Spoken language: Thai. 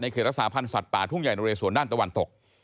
เขตรักษาพันธ์สัตว์ป่าทุ่งใหญ่นเรสวนด้านตะวันตก